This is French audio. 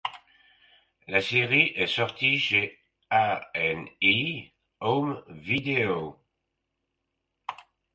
La série est sortie chez A&E Home Vidéo.